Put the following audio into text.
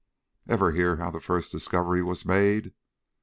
"Ever hear how the first discovery was made?